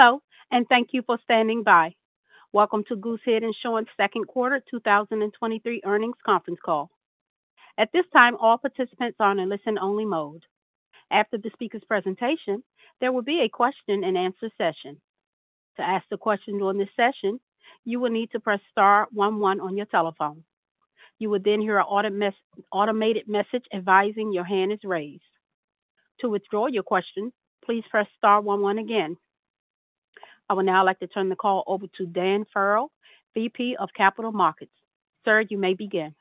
Hello, thank you for standing by. Welcome to Goosehead Insurance second quarter 2023 earnings conference call. This time, all participants are in listen-only mode. After the speaker's presentation, there will be a question-and-answer session. Ask a question during this session, you will need to press star 11 on your telephone. You will hear an automated message advising your hand is raised. Withdraw your question, please press star 11 again. I would like to turn the call over to Dan Farrell, VP of Capital Markets. Sir, you may begin.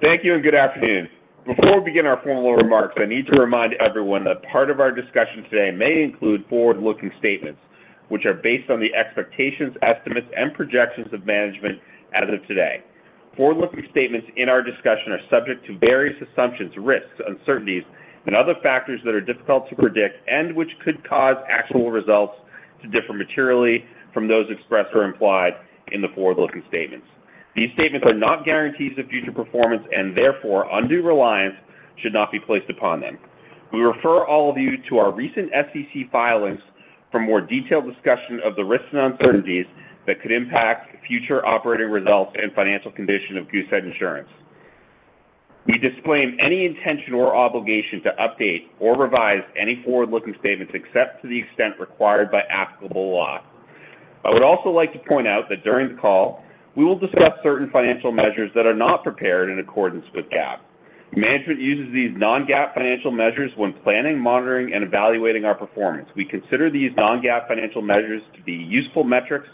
Thank you, and good afternoon. Before we begin our formal remarks, I need to remind everyone that part of our discussion today may include forward-looking statements, which are based on the expectations, estimates, and projections of management as of today. Forward-looking statements in our discussion are subject to various assumptions, risks, uncertainties, and other factors that are difficult to predict and which could cause actual results to differ materially from those expressed or implied in the forward-looking statements. These statements are not guarantees of future performance, and therefore, undue reliance should not be placed upon them. We refer all of you to our recent SEC filings for more detailed discussion of the risks and uncertainties that could impact future operating results and financial condition of Goosehead Insurance. We disclaim any intention or obligation to update or revise any forward-looking statements, except to the extent required by applicable law. I would also like to point out that during the call, we will discuss certain financial measures that are not prepared in accordance with GAAP. Management uses these non-GAAP financial measures when planning, monitoring, and evaluating our performance. We consider these non-GAAP financial measures to be useful metrics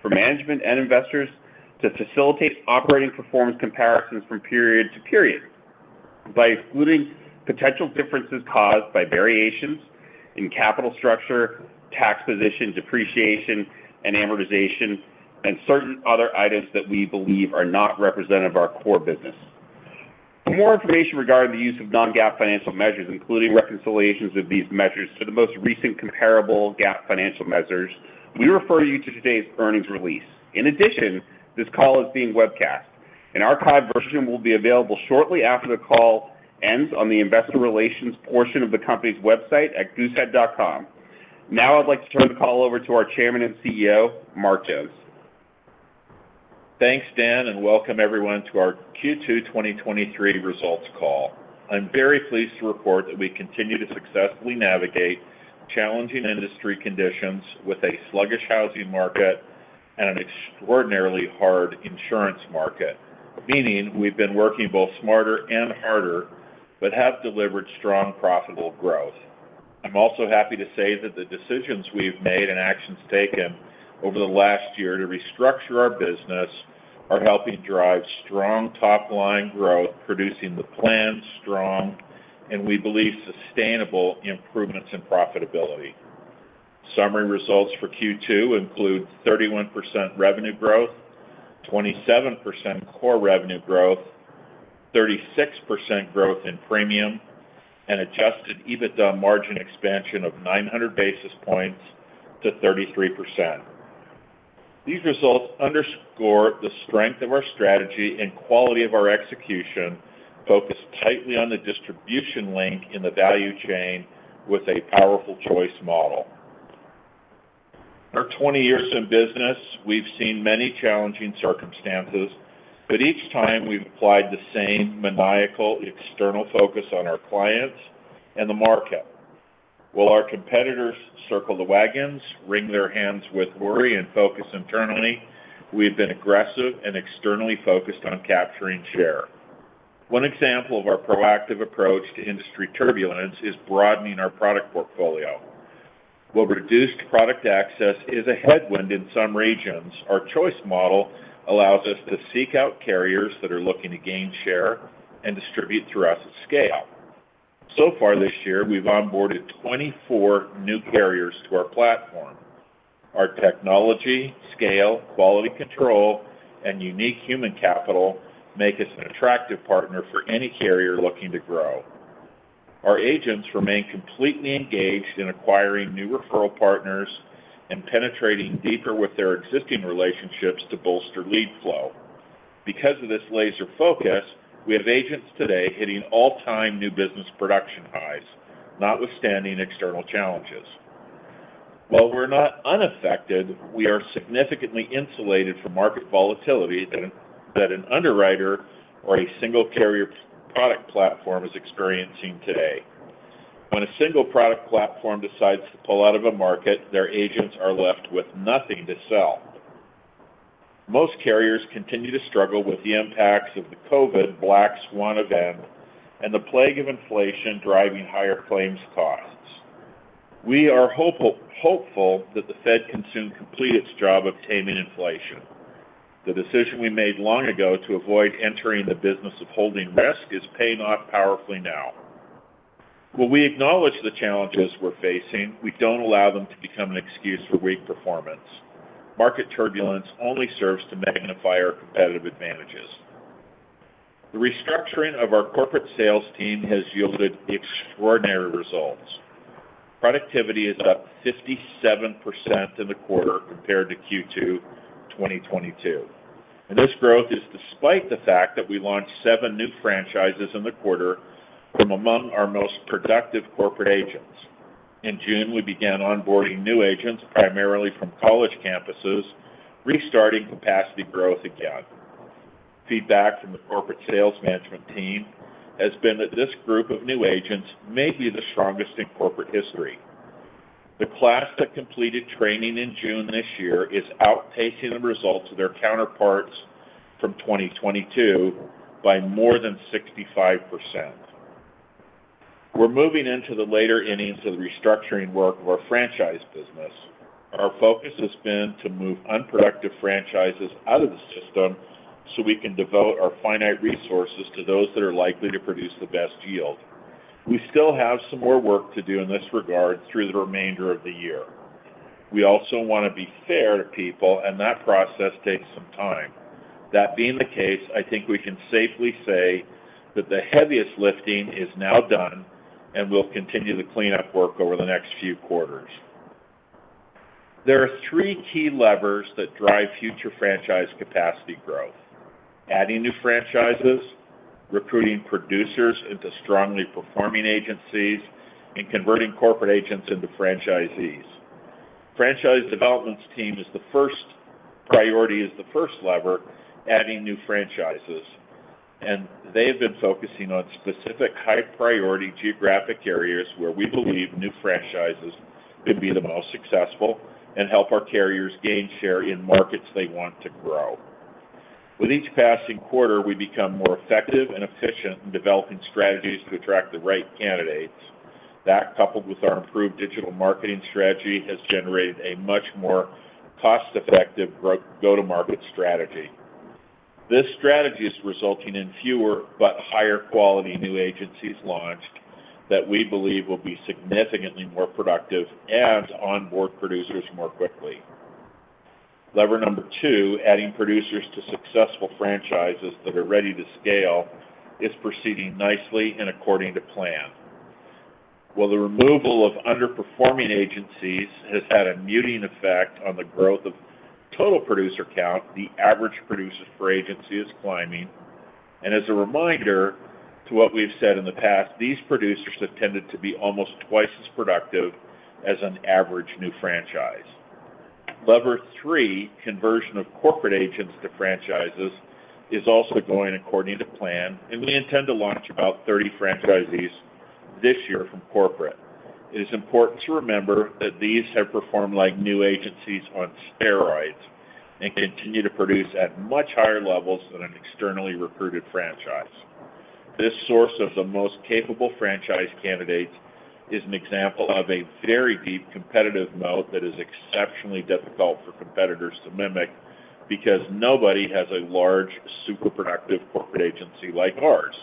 for management and investors to facilitate operating performance comparisons from period to period by excluding potential differences caused by variations in capital structure, tax position, depreciation, and amortization, and certain other items that we believe are not representative of our core business. For more information regarding the use of non-GAAP financial measures, including reconciliations of these measures to the most recent comparable GAAP financial measures, we refer you to today's earnings release. In addition, this call is being webcast. An archived version will be available shortly after the call ends on the investor relations portion of the company's website at goosehead.com. Now I'd like to turn the call over to our Chairman and CEO, Mark Jones. Thanks, Dan. Welcome everyone to our Q2 2023 results call. I'm very pleased to report that we continue to successfully navigate challenging industry conditions with a sluggish housing market and an extraordinarily hard insurance market. Meaning, we've been working both smarter and harder, but have delivered strong, profitable growth. I'm also happy to say that the decisions we've made and actions taken over the last year to restructure our business are helping drive strong top-line growth, producing the planned strong, and we believe, sustainable improvements in profitability. Summary results for Q2 include 31% revenue growth, 27% core revenue growth, 36% growth in premium, and adjusted EBITDA margin expansion of 900 basis points to 33%. These results underscore the strength of our strategy and quality of our execution, focused tightly on the distribution link in the value chain with a powerful choice model. In our 20 years in business, we've seen many challenging circumstances. Each time, we've applied the same maniacal, external focus on our clients and the market. While our competitors circle the wagons, wring their hands with worry, and focus internally, we've been aggressive and externally focused on capturing share. One example of our proactive approach to industry turbulence is broadening our product portfolio. While reduced product access is a headwind in some regions, our choice model allows us to seek out carriers that are looking to gain share and distribute through us at scale. So far this year, we've onboarded 24 new carriers to our platform. Our technology, scale, quality control, and unique human capital make us an attractive partner for any carrier looking to grow. Our agents remain completely engaged in acquiring new Referral Partners and penetrating deeper with their existing relationships to bolster lead flow. Because of this laser focus, we have agents today hitting all-time new business production highs, notwithstanding external challenges. While we're not unaffected, we are significantly insulated from market volatility that an underwriter or a single carrier product platform is experiencing today. When a single product platform decides to pull out of a market, their agents are left with nothing to sell. Most carriers continue to struggle with the impacts of the Covid Black Swan event and the plague of inflation driving higher claims costs. We are hopeful that the Fed can soon complete its job of taming inflation. The decision we made long ago to avoid entering the business of holding risk is paying off powerfully now. While we acknowledge the challenges we're facing, we don't allow them to become an excuse for weak performance. Market turbulence only serves to magnify our competitive advantages. The restructuring of our corporate sales team has yielded extraordinary results. Productivity is up 57% in the quarter compared to Q2 2022. This growth is despite the fact that we launched seven new franchises in the quarter from among our most productive corporate agents. In June, we began onboarding new agents, primarily from college campuses, restarting capacity growth again. Feedback from the corporate sales management team has been that this group of new agents may be the strongest in corporate history. The class that completed training in June this year is outpacing the results of their counterparts from 2022 by more than 65%. We're moving into the later innings of the restructuring work of our franchise business. Our focus has been to move unproductive franchises out of the system so we can devote our finite resources to those that are likely to produce the best yield. We still have some more work to do in this regard through the remainder of the year. We also want to be fair to people. That process takes some time. That being the case, I think we can safely say that the heaviest lifting is now done. We'll continue the cleanup work over the next few quarters. There are three key levers that drive future franchise capacity growth: adding new franchises, recruiting producers into strongly performing agencies, and converting corporate agents into franchisees. Franchise developments team is the first priority, is the first lever, adding new franchises. They have been focusing on specific high priority geographic areas where we believe new franchises could be the most successful and help our carriers gain share in markets they want to grow. With each passing quarter, we become more effective and efficient in developing strategies to attract the right candidates. That, coupled with our improved digital marketing strategy, has generated a much more cost-effective go-to-market strategy. This strategy is resulting in fewer but higher quality new agencies launched that we believe will be significantly more productive and onboard producers more quickly. Lever number two, adding producers to successful franchises that are ready to scale, is proceeding nicely and according to plan. While the removal of underperforming agencies has had a muting effect on the growth of total producer count, the average producer per agency is climbing. As a reminder to what we've said in the past, these producers have tended to be almost twice as productive as an average new franchise. Lever three, conversion of corporate agents to franchises, is also going according to plan, and we intend to launch about 30 franchisees this year from corporate. It is important to remember that these have performed like new agencies on steroids and continue to produce at much higher levels than an externally recruited franchise. This source of the most capable franchise candidates is an example of a very deep competitive moat that is exceptionally difficult for competitors to mimic, because nobody has a large, super productive corporate agency like ours.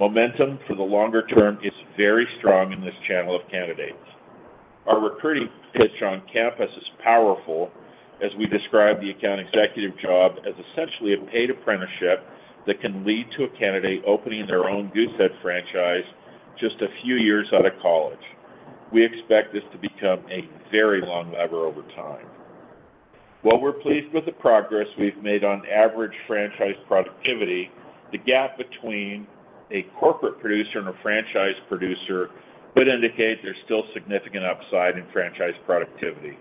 Momentum for the longer term is very strong in this channel of candidates. Our recruiting pitch on campus is powerful, as we describe the account executive job as essentially a paid apprenticeship that can lead to a candidate opening their own Goosehead franchise just a few years out of college. We expect this to become a very long lever over time. While we're pleased with the progress we've made on average franchise productivity, the gap between a corporate producer and a franchise producer would indicate there's still significant upside in franchise productivity.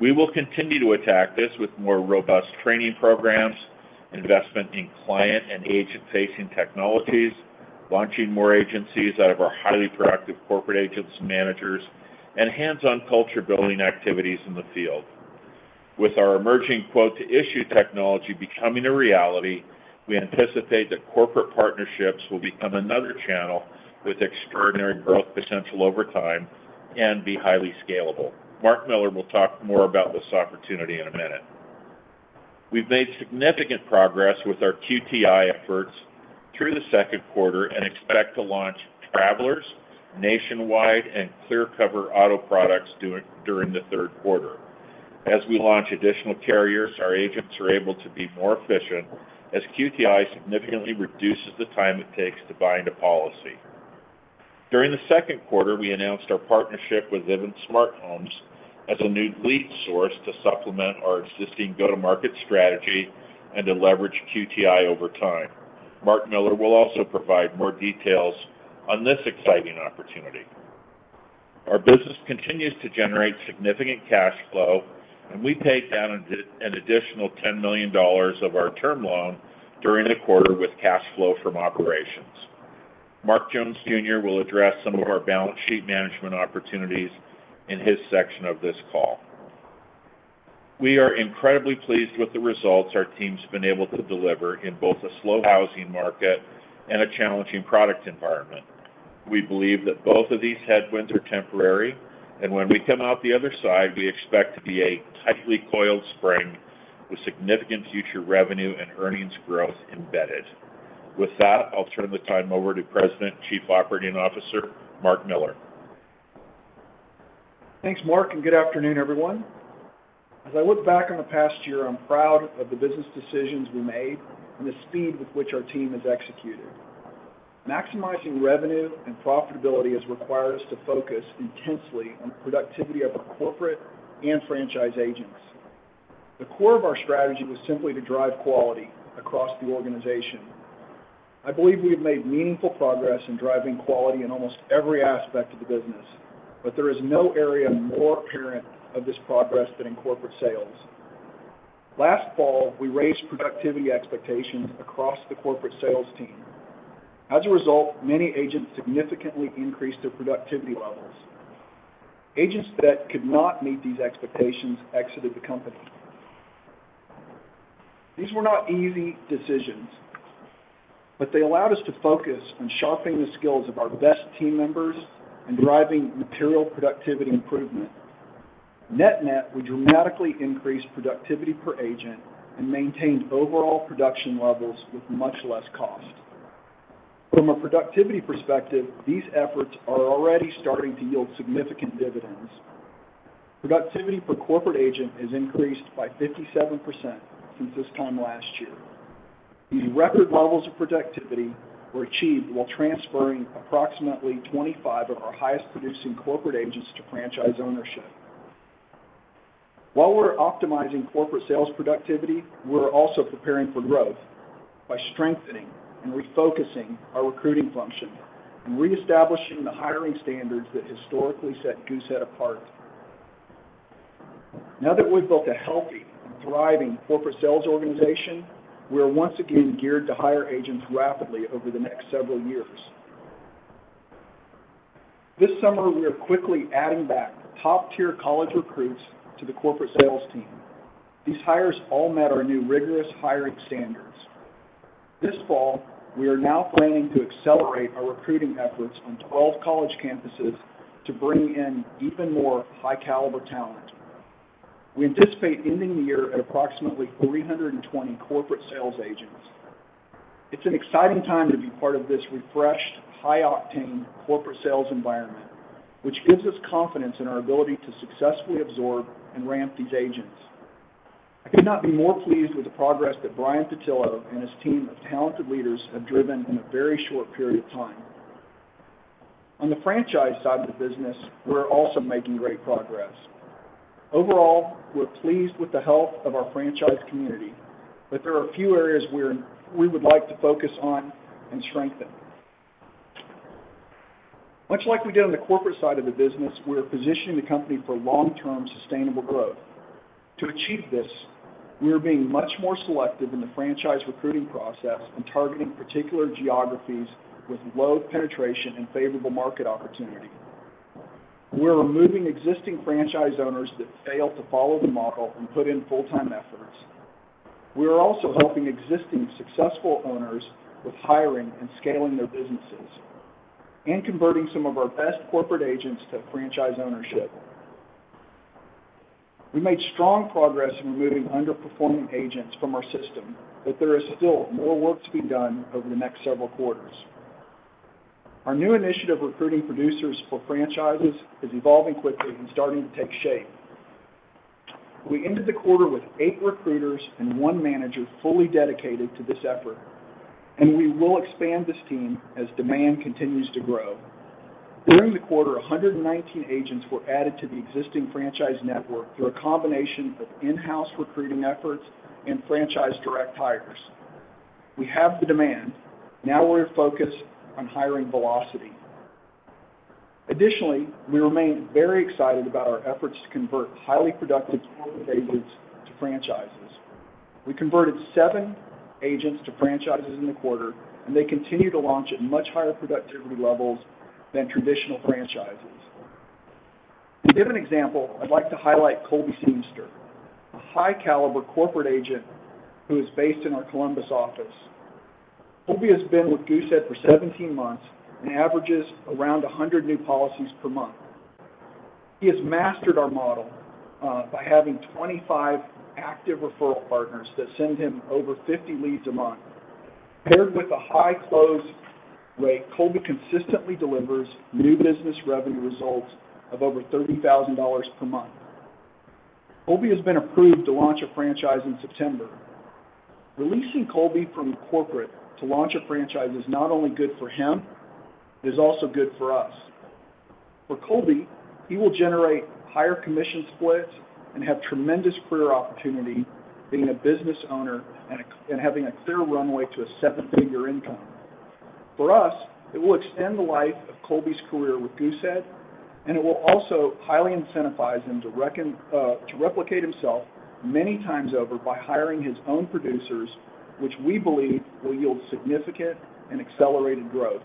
We will continue to attack this with more robust training programs, investment in client and agent-facing technologies, launching more agencies out of our highly productive corporate agents and managers, and hands-on culture building activities in the field. With our emerging quote-to-issue technology becoming a reality, we anticipate that corporate partnerships will become another channel with extraordinary growth potential over time and be highly scalable. Mark Miller will talk more about this opportunity in a minute. We've made significant progress with our QTI efforts through the second quarter and expect to launch Travelers, Nationwide, and Clearcover Auto Products during the third quarter. As we launch additional carriers, our agents are able to be more efficient as QTI significantly reduces the time it takes to bind a policy. During the second quarter, we announced our partnership with Vivint Smart Home as a new lead source to supplement our existing go-to-market strategy and to leverage QTI over time. Mark Miller will also provide more details on this exciting opportunity. Our business continues to generate significant cash flow, and we paid down an additional $10 million of our term loan during the quarter with cash flow from operations. Mark Jones Jr. will address some of our balance sheet management opportunities in his section of this call. We are incredibly pleased with the results our team's been able to deliver in both a slow housing market and a challenging product environment. We believe that both of these headwinds are temporary, and when we come out the other side, we expect to be a tightly coiled spring with significant future revenue and earnings growth embedded. With that, I'll turn the time over to President and Chief Operating Officer, Mark Miller. Thanks, Mark, and good afternoon, everyone. As I look back on the past year, I'm proud of the business decisions we made and the speed with which our team has executed. maximizing revenue and profitability has required us to focus intensely on the productivity of our corporate and franchise agents. The core of our strategy was simply to drive quality across the organization. I believe we have made meaningful progress in driving quality in almost every aspect of the business, but there is no area more apparent of this progress than in corporate sales. Last fall, we raised productivity expectations across the corporate sales team. As a result, many agents significantly increased their productivity levels. Agents that could not meet these expectations exited the company. These were not easy decisions, but they allowed us to focus on sharpening the skills of our best team members and driving material productivity improvement. Net-net, we dramatically increased productivity per agent and maintained overall production levels with much less cost. From a productivity perspective, these efforts are already starting to yield significant dividends. Productivity per corporate agent has increased by 57% since this time last year. These record levels of productivity were achieved while transferring approximately 25 of our highest producing corporate agents to franchise ownership. While we're optimizing corporate sales productivity, we're also preparing for growth by strengthening and refocusing our recruiting function and reestablishing the hiring standards that historically set Goosehead apart. Now that we've built a healthy and thriving corporate sales organization, we are once again geared to hire agents rapidly over the next several years. This summer, we are quickly adding back top-tier college recruits to the corporate sales team. These hires all met our new rigorous hiring standards. This fall, we are now planning to accelerate our recruiting efforts on 12 college campuses to bring in even more high-caliber talent. We anticipate ending the year at approximately 320 corporate sales agents. It's an exciting time to be part of this refreshed, high-octane corporate sales environment, which gives us confidence in our ability to successfully absorb and ramp these agents. I could not be more pleased with the progress that Brian Pattillo and his team of talented leaders have driven in a very short period of time. On the franchise side of the business, we're also making great progress. Overall, we're pleased with the health of our franchise community, but there are a few areas where we would like to focus on and strengthen. Much like we did on the corporate side of the business, we're positioning the company for long-term, sustainable growth. To achieve this, we are being much more selective in the franchise recruiting process and targeting particular geographies with low penetration and favorable market opportunity. We are removing existing franchise owners that fail to follow the model and put in full-time efforts. We are also helping existing successful owners with hiring and scaling their businesses and converting some of our best corporate agents to franchise ownership. We made strong progress in removing underperforming agents from our system, but there is still more work to be done over the next several quarters. Our new initiative, Recruiting Producers for Franchises, is evolving quickly and starting to take shape. We ended the quarter with eight recruiters and one manager fully dedicated to this effort, and we will expand this team as demand continues to grow. During the quarter, 119 agents were added to the existing franchise network through a combination of in-house recruiting efforts and franchise direct hires. We have the demand. We're focused on hiring velocity. Additionally, we remain very excited about our efforts to convert highly productive corporate agents to franchises. We converted seven agents to franchises in the quarter. They continue to launch at much higher productivity levels than traditional franchises. To give an example, I'd like to highlight Colby Seamster, a high-caliber corporate agent who is based in our Columbus office. Colby has been with Goosehead for 17 months and averages around 100 new policies per month. He has mastered our model by having 25 active Referral Partners that send him over 50 leads a month. Paired with a high close rate, Colby Seamster consistently delivers new business revenue results of over $30,000 per month. Colby Seamster has been approved to launch a franchise in September. Releasing Colby Seamster from corporate to launch a franchise is not only good for him, it is also good for us. For Colby Seamster, he will generate higher commission splits and have tremendous career opportunity being a business owner and having a clear runway to a 7-figure income. For us, it will extend the life of Colby Seamster's career with Goosehead, and it will also highly incentivize him to replicate himself many times over by hiring his own producers, which we believe will yield significant and accelerated growth.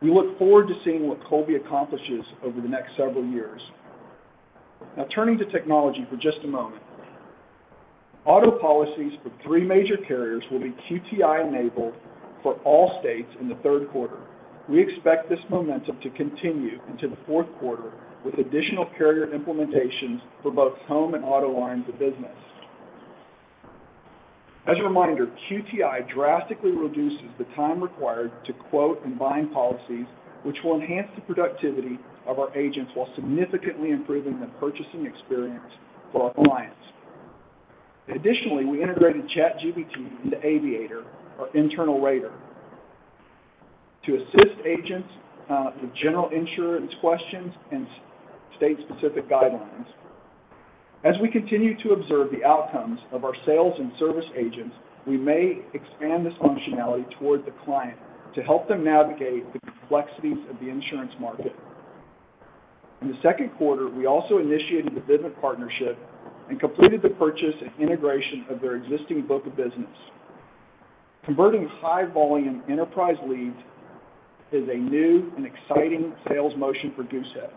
We look forward to seeing what Colby Seamster accomplishes over the next several years. Turning to technology for just a moment. Auto policies for three major carriers will be QTI-enabled for all states in the third quarter. We expect this momentum to continue into the fourth quarter, with additional carrier implementations for both home and auto lines of business. As a reminder, QTI drastically reduces the time required to quote and bind policies, which will enhance the productivity of our agents while significantly improving the purchasing experience for our clients. Additionally, we integrated ChatGPT into Aviator, our internal rater, to assist agents with general insurance questions and state-specific guidelines. As we continue to observe the outcomes of our sales and service agents, we may expand this functionality toward the client to help them navigate the complexities of the insurance market. In the second quarter, we also initiated the Vivint partnership and completed the purchase and integration of their existing book of business. Converting high-volume enterprise leads is a new and exciting sales motion for Goosehead.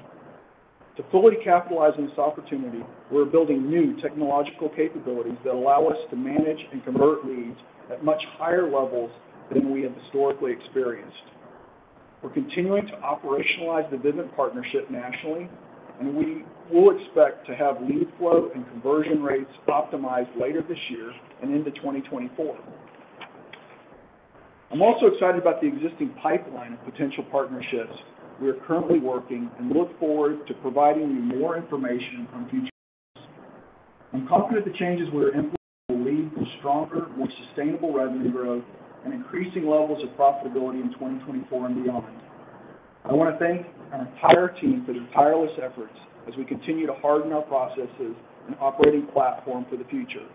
To fully capitalize on this opportunity, we're building new technological capabilities that allow us to manage and convert leads at much higher levels than we have historically experienced. We're continuing to operationalize the Vivint partnership nationally, and we will expect to have lead flow and conversion rates optimized later this year and into 2024. I'm also excited about the existing pipeline of potential partnerships we are currently working and look forward to providing you more information on future calls. I'm confident the changes we are implementing will lead to stronger, more sustainable revenue growth and increasing levels of profitability in 2024 and beyond. I want to thank our entire team for their tireless efforts as we continue to harden our processes and operating platform for the future.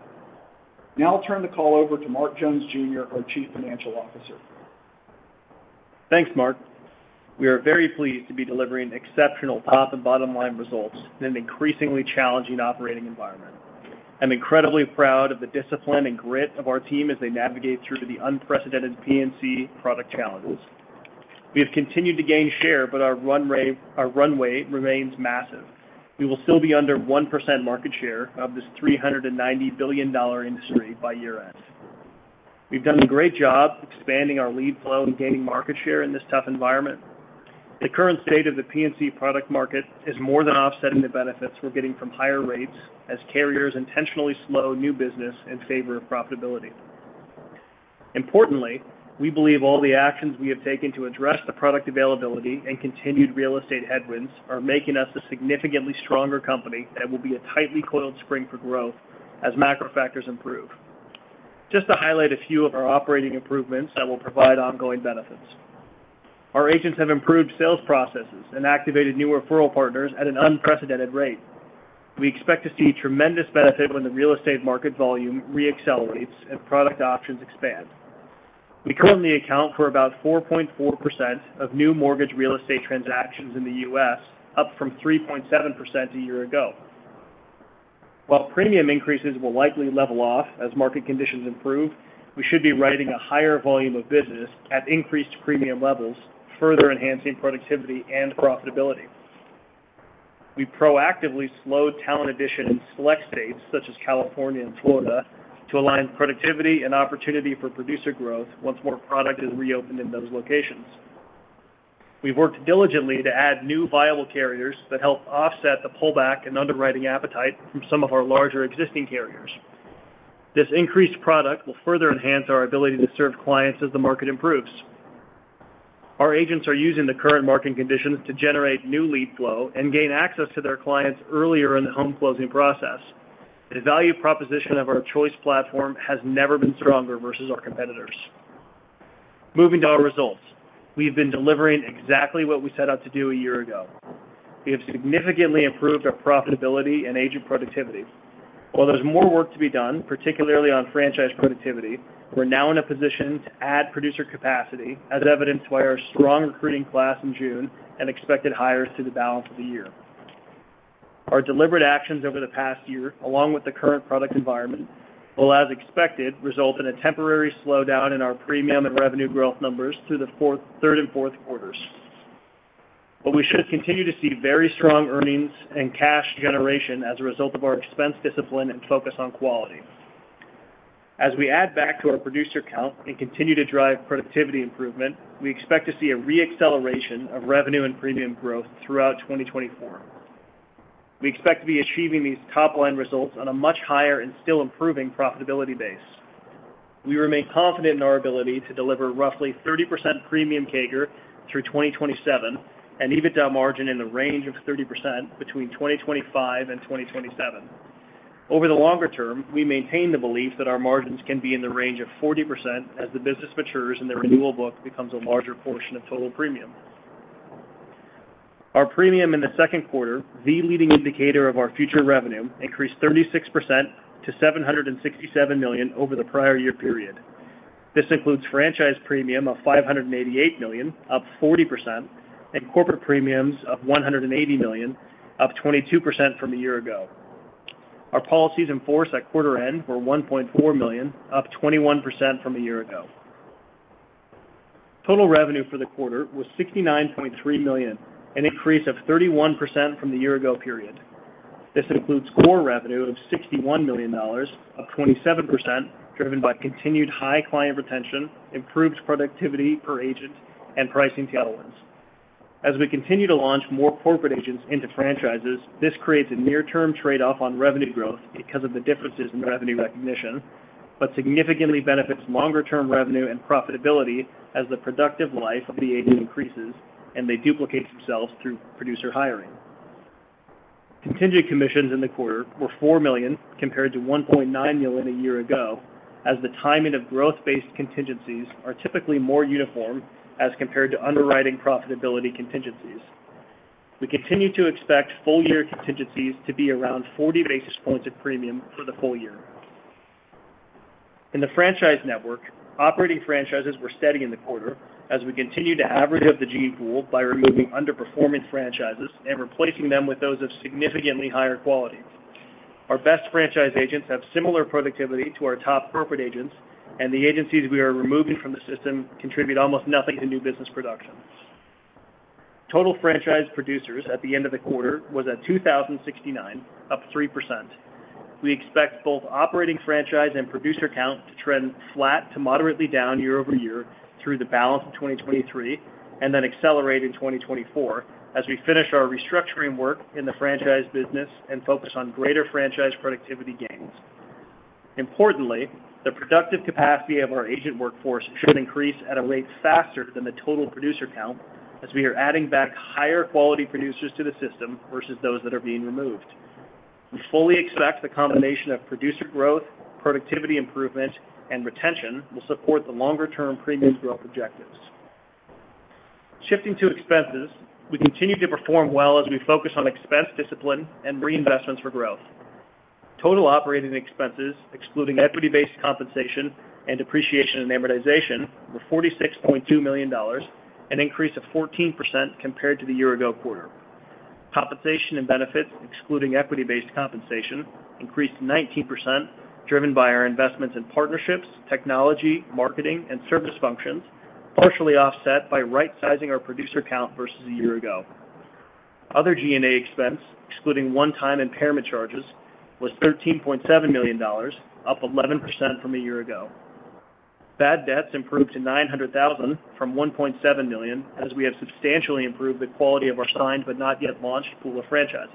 Now I'll turn the call over to Mark Jones Jr., our Chief Financial Officer. Thanks, Mark. We are very pleased to be delivering exceptional top and bottom-line results in an increasingly challenging operating environment. I'm incredibly proud of the discipline and grit of our team as they navigate through the unprecedented P&C product challenges. We have continued to gain share. Our runway remains massive. We will still be under 1% market share of this $390 billion industry by year-end. We've done a great job expanding our lead flow and gaining market share in this tough environment. The current state of the P&C product market is more than offsetting the benefits we're getting from higher rates as carriers intentionally slow new business in favor of profitability. Importantly, we believe all the actions we have taken to address the product availability and continued real estate headwinds are making us a significantly stronger company that will be a tightly coiled spring for growth as macro factors improve. Just to highlight a few of our operating improvements that will provide ongoing benefits. Our agents have improved sales processes and activated new Referral Partners at an unprecedented rate. We expect to see tremendous benefit when the real estate market volume reaccelerates and product options expand. We currently account for about 4.4% of new mortgage real estate transactions in the U.S., up from 3.7% a year ago. While premium increases will likely level off as market conditions improve, we should be writing a higher volume of business at increased premium levels, further enhancing productivity and profitability. We proactively slowed talent addition in select states, such as California and Florida, to align productivity and opportunity for producer growth once more product is reopened in those locations. We've worked diligently to add new viable carriers that help offset the pullback and underwriting appetite from some of our larger existing carriers. This increased product will further enhance our ability to serve clients as the market improves. Our agents are using the current market conditions to generate new lead flow and gain access to their clients earlier in the home closing process. The value proposition of our choice platform has never been stronger versus our competitors. Moving to our results. We have been delivering exactly what we set out to do a year ago. We have significantly improved our profitability and agent productivity. While there's more work to be done, particularly on franchise productivity, we're now in a position to add producer capacity, as evidenced by our strong recruiting class in June and expected hires through the balance of the year. Our deliberate actions over the past year, along with the current product environment, will, as expected, result in a temporary slowdown in our premium and revenue growth numbers through the third and fourth quarters. We should continue to see very strong earnings and cash generation as a result of our expense discipline and focus on quality. As we add back to our producer count and continue to drive productivity improvement, we expect to see a reacceleration of revenue and premium growth throughout 2024. We expect to be achieving these top-line results on a much higher and still improving profitability base. We remain confident in our ability to deliver roughly 30% premium CAGR through 2027 and EBITDA margin in the range of 30% between 2025 and 2027. Over the longer term, we maintain the belief that our margins can be in the range of 40% as the business matures and the renewal book becomes a larger portion of total premium. Our premium in the second quarter, the leading indicator of our future revenue, increased 36% to $767 million over the prior year period. This includes franchise premium of $588 million, up 40%, and corporate premiums of $180 million, up 22% from a year ago. Our policies in force at quarter-end were 1.4 million, up 21% from a year ago. Total revenue for the quarter was $69.3 million, an increase of 31% from the year-ago period. This includes core revenue of $61 million, up 27%, driven by continued high client retention, improved productivity per agent, and pricing tailwinds. As we continue to launch more corporate agents into franchises, this creates a near-term trade-off on revenue growth because of the differences in revenue recognition.... but significantly benefits longer-term revenue and profitability as the productive life of the agent increases, and they duplicate themselves through producer hiring. Contingent commissions in the quarter were $4 million, compared to $1.9 million a year ago, as the timing of growth-based contingencies are typically more uniform as compared to underwriting profitability contingencies. We continue to expect full-year contingencies to be around 40 basis points of premium for the full year. In the franchise network, operating franchises were steady in the quarter as we continued to average of the gene pool by removing underperforming franchises and replacing them with those of significantly higher quality. Our best franchise agents have similar productivity to our top corporate agents, and the agencies we are removing from the system contribute almost nothing to new business production. Total franchise producers at the end of the quarter was at 2,069, up 3%. We expect both operating franchise and producer count to trend flat to moderately down year-over-year through the balance of 2023. Then accelerate in 2024 as we finish our restructuring work in the franchise business and focus on greater franchise productivity gains. The productive capacity of our agent workforce should increase at a rate faster than the total producer count as we are adding back higher quality producers to the system versus those that are being removed. We fully expect the combination of producer growth, productivity improvement, and retention will support the longer-term premium growth objectives. Shifting to expenses, we continue to perform well as we focus on expense discipline and reinvestments for growth. Total operating expenses, excluding equity-based compensation and depreciation and amortization, were $46.2 million, an increase of 14% compared to the year-ago quarter. Compensation and benefits, excluding equity-based compensation, increased 19%, driven by our investments in partnerships, technology, marketing, and service functions, partially offset by rightsizing our producer count versus a year-ago. Other G&A expense, excluding one-time impairment charges, was $13.7 million, up 11% from a year-ago. Bad debts improved to $900,000 from $1.7 million, as we have substantially improved the quality of our signed but not yet launched pool of franchises.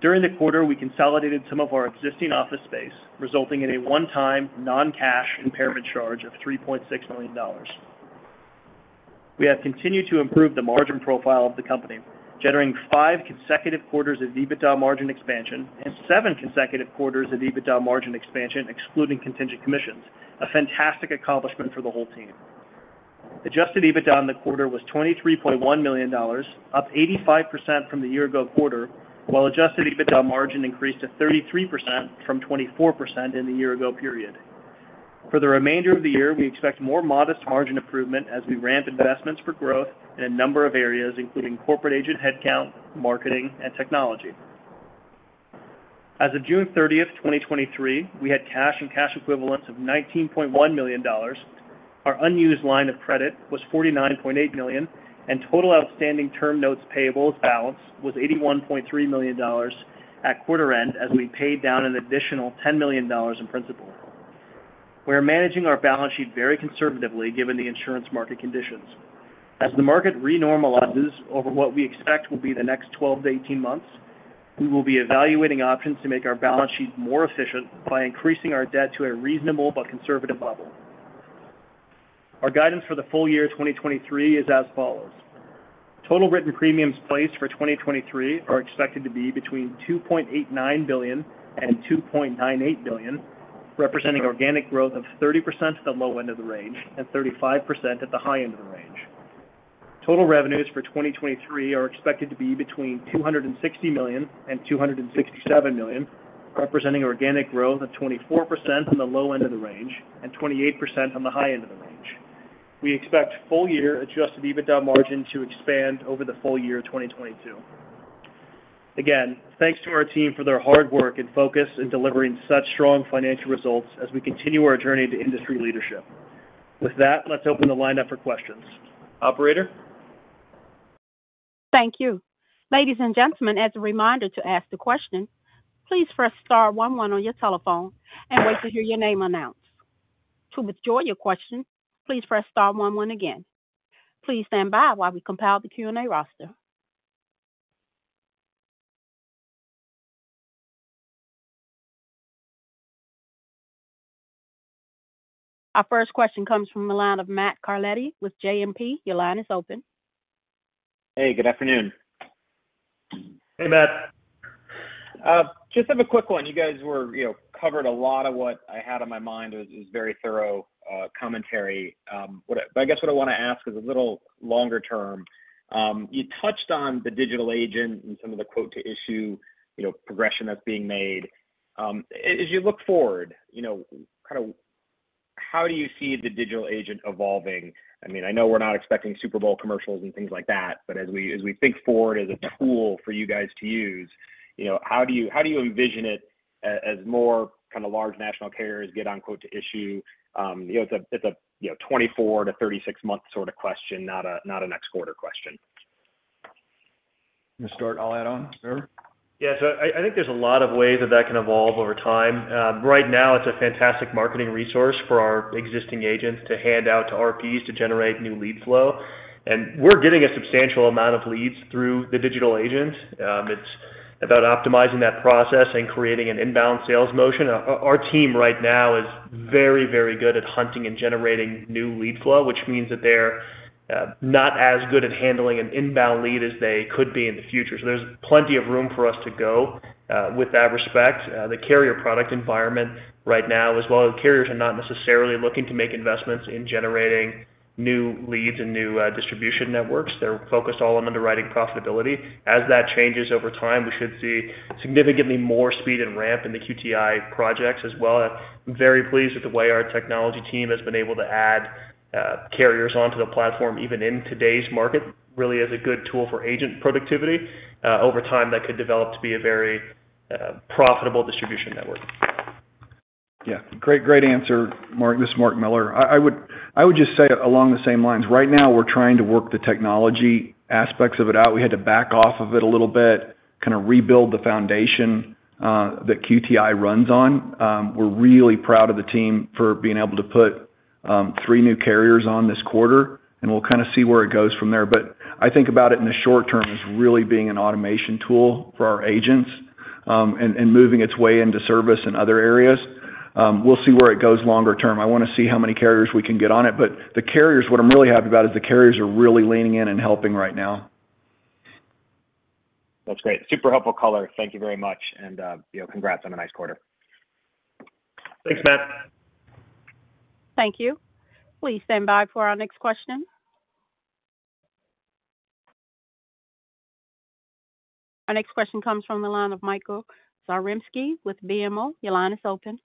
During the quarter, we consolidated some of our existing office space, resulting in a one-time non-cash impairment charge of $3.6 million. We have continued to improve the margin profile of the company, generating five consecutive quarters of EBITDA margin expansion and seven consecutive quarters of EBITDA margin expansion, excluding contingent commissions, a fantastic accomplishment for the whole team. Adjusted EBITDA in the quarter was $23.1 million, up 85% from the year-ago quarter, while adjusted EBITDA margin increased to 33% from 24% in the year-ago period. For the remainder of the year, we expect more modest margin improvement as we ramp investments for growth in a number of areas, including corporate agent headcount, marketing, and technology. As of June 30, 2023, we had cash and cash equivalents of $19.1 million. Our unused line of credit was $49.8 million, and total outstanding term notes payables balance was $81.3 million at quarter end, as we paid down an additional $10 million in principal. We are managing our balance sheet very conservatively, given the insurance market conditions. As the market normalizes over what we expect will be the next 12 to 18 months, we will be evaluating options to make our balance sheet more efficient by increasing our debt to a reasonable but conservative level. Our guidance for the full year 2023 is as follows: Total written premiums placed for 2023 are expected to be between $2.89 billion and $2.98 billion, representing organic growth of 30% at the low end of the range and 35% at the high end of the range. Total revenues for 2023 are expected to be between $260 million and $267 million, representing organic growth of 24% on the low end of the range and 28% on the high end of the range. We expect full-year adjusted EBITDA margin to expand over the full year of 2022. Again, thanks to our team for their hard work and focus in delivering such strong financial results as we continue our journey to industry leadership. With that, let's open the line up for questions. Operator? Thank you. Ladies and gentlemen, as a reminder to ask the question, please press star one on your telephone and wait to hear your name announced. To withdraw your question, please press star one again. Please stand by while we compile the Q&A roster. Our first question comes from the line of Matt Carletti with JMP. Your line is open. Hey, good afternoon. Hey, Matt. Just have a quick one. You guys were, you know, covered a lot of what I had on my mind. It was, it was very thorough commentary. I guess what I want to ask is a little longer term. You touched on the Digital Agent and some of the quote-to-issue, you know, progression that's being made. As you look forward, you know, kind of how do you see the Digital Agent evolving? I mean, I know we're not expecting Super Bowl commercials and things like that, but as we, as we think forward as a tool for you guys to use, you know, how do you, how do you envision it as more kind of large national carriers get on quote-to-issue? You know, it's a, you know, 24 months to 36 month sort of question, not a next quarter question. You want to start, I'll add on? Sure. I think there's a lot of ways that that can evolve over time. Right now, it's a fantastic marketing resource for our existing agents to hand out to RPs to generate new lead flow. We're getting a substantial amount of leads through the Digital Agent. It's about optimizing that process and creating an inbound sales motion. Our team right now is very, very good at hunting and generating new lead flow, which means that they're not as good at handling an inbound lead as they could be in the future. There's plenty of room for us to go with that respect. The carrier product environment right now, as well, the carriers are not necessarily looking to make investments in generating new leads and new distribution networks. They're focused all on underwriting profitability. As that changes over time, we should see significantly more speed and ramp in the QTI projects as well. I'm very pleased with the way our technology team has been able to add carriers onto the platform, even in today's market. Really is a good tool for agent productivity. Over time, that could develop to be a very profitable distribution network. Yeah, great answer, Mark. This is Mark Miller. I would just say along the same lines, right now we're trying to work the technology aspects of it out. We had to back off of it a little bit, kinda rebuild the foundation that QTI runs on. We're really proud of the team for being able to put three new carriers on this quarter, and we'll kind of see where it goes from there. I think about it in the short term as really being an automation tool for our agents, and moving its way into service in other areas. We'll see where it goes longer term. I wanna see how many carriers we can get on it, but what I'm really happy about is the carriers are really leaning in and helping right now. That's great. Super helpful color. Thank you very much, and, you know, congrats on a nice quarter. Thanks, Matt. Thank you. Please stand by for our next question. Our next question comes from the line of Michael Zaremski with BMO. Your line is open.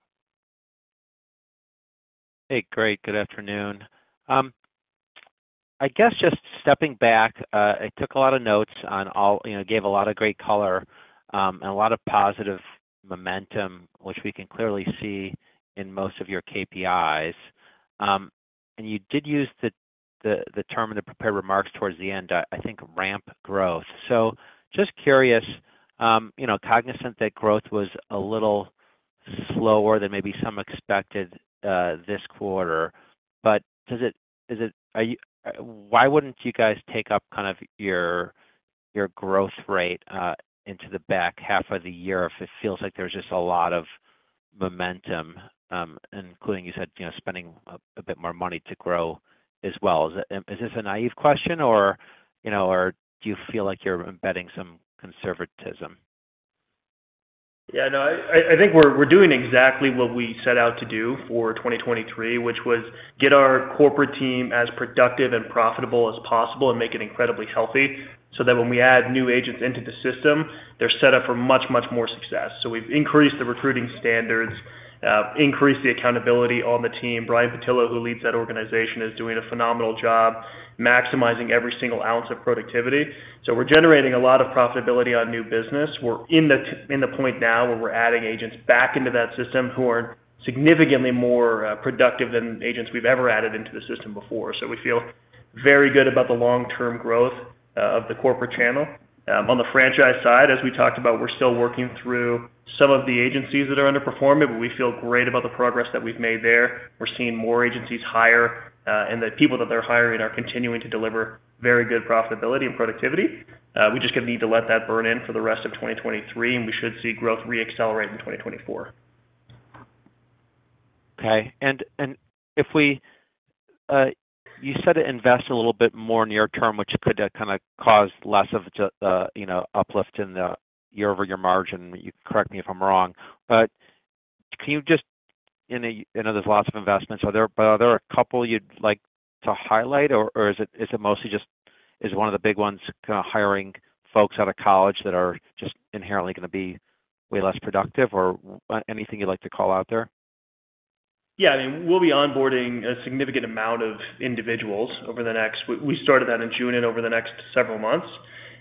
Hey, great, good afternoon. I guess just stepping back, I took a lot of notes on all, you know, gave a lot of great color, and a lot of positive momentum, which we can clearly see in most of your KPIs. You did use the term in the prepared remarks towards the end, I think, ramp growth. Just curious, you know, cognizant that growth was a little slower than maybe some expected this quarter, but why wouldn't you guys take up kind of your growth rate into the back half of the year if it feels like there's just a lot of momentum, including you said, you know, spending a bit more money to grow as well? Is this a naive question, or, you know, or do you feel like you're embedding some conservatism? Yeah, no, I think we're doing exactly what we set out to do for 2023, which was get our corporate team as productive and profitable as possible and make it incredibly healthy, so that when we add new agents into the system, they're set up for much, much more success. We've increased the recruiting standards, increased the accountability on the team. Brian Pattillo, who leads that organization, is doing a phenomenal job maximizing every single ounce of productivity. We're generating a lot of profitability on new business. We're in the point now where we're adding agents back into that system who are significantly more productive than agents we've ever added into the system before. We feel very good about the long-term growth of the corporate channel. On the franchise side, as we talked about, we're still working through some of the agencies that are underperforming, but we feel great about the progress that we've made there. We're seeing more agencies hire, the people that they're hiring are continuing to deliver very good profitability and productivity. We just gonna need to let that burn in for the rest of 2023, we should see growth reaccelerate in 2024. Okay. And if we, you said to invest a little bit more near term, which could kinda cause less of the, you know, uplift in the year-over-year margin. You correct me if I'm wrong, but can you just. I know there's lots of investments. Are there a couple you'd like to highlight, or is it mostly just, is one of the big ones, hiring folks out of college that are just inherently gonna be way less productive or anything you'd like to call out there? I mean, we'll be onboarding a significant amount of individuals over the next we started that in June and over the next several months.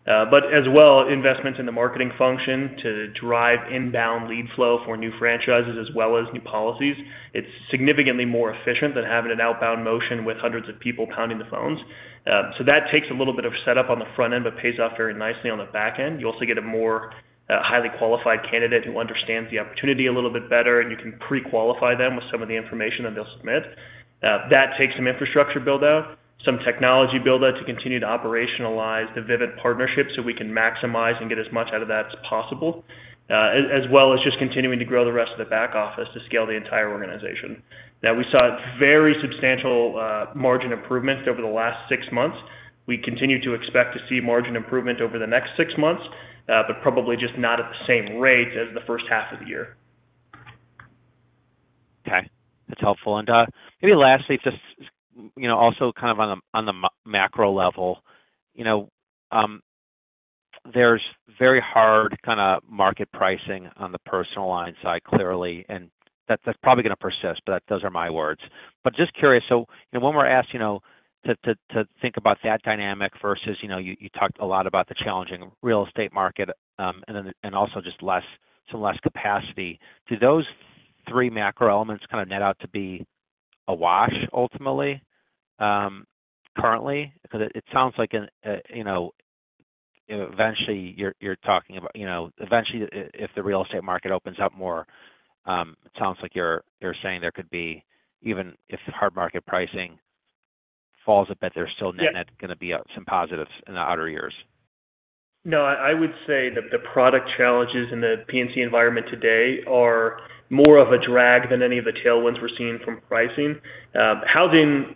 As well, investments in the marketing function to drive inbound lead flow for new franchises as well as new policies. It's significantly more efficient than having an outbound motion with hundreds of people pounding the phones. That takes a little bit of setup on the front end, but pays off very nicely on the back end. You also get a more highly qualified candidate who understands the opportunity a little bit better, you can pre-qualify them with some of the information that they'll submit. That takes some infrastructure build out, some technology build out to continue to operationalize the Vivint partnership so we can maximize and get as much out of that as possible, as well as just continuing to grow the rest of the back office to scale the entire organization. We saw very substantial margin improvements over the last six months. We continue to expect to see margin improvement over the next six months, but probably just not at the same rate as the first half of the year. Okay. That's helpful. Maybe lastly, just, you know, also kind of on the macro level, you know, there's very hard kinda market pricing on the personal lines side, clearly, and that's probably gonna persist, but those are my words. Just curious, you know, when we're asked, you know, to think about that dynamic versus, you know, you talked a lot about the challenging real estate market, and also just less, some less capacity. Do those three macro elements kinda net out to be a wash ultimately, currently? It sounds like, you know, eventually, you're talking about, you know, eventually, if the real estate market opens up more, it sounds like you're saying there could be even if hard market pricing falls a bit, there's still net going to be some positives in the outer years? I would say that the product challenges in the P&C environment today are more of a drag than any of the tailwinds we're seeing from pricing. housing,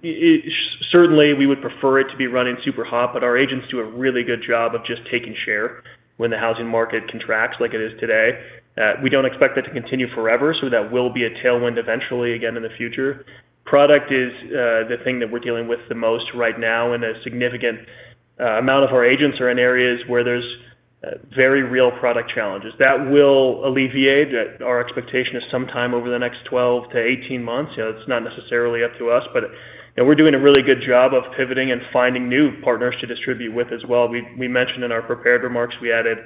certainly, we would prefer it to be running super hot, but our agents do a really good job of just taking share when the housing market contracts like it is today. we don't expect that to continue forever, so that will be a tailwind eventually, again, in the future. Product is, the thing that we're dealing with the most right now, and a significant, amount of our agents are in areas where there's, very real product challenges. That will alleviate. Our expectation is sometime over the next 12-18 months. You know, it's not necessarily up to us, but, you know, we're doing a really good job of pivoting and finding new partners to distribute with as well. We mentioned in our prepared remarks, we added